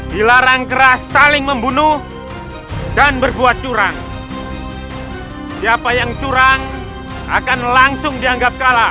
dilarang keras saling membunuh dan berbuat curang siapa yang curang akan langsung dianggap kalah